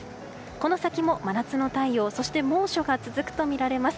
この先も真夏の太陽そして猛暑が続くとみられます。